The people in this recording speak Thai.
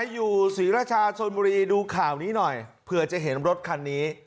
อยู่ศรีราชาชนบุรีดูข่าวนี้หน่อยเผื่อจะเห็นรถคันนี้